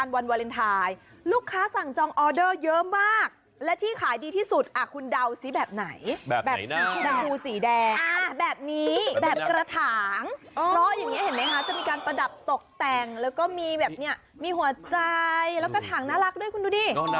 มีหัวใจแล้วก็ถั่งน่ารักด้วยคุณดูดิ